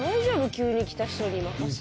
急に来た人に任して。